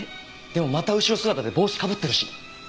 でもまた後ろ姿で帽子被ってるし。